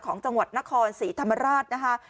ของจังหวัดนครศรีธรรมราชนะคะ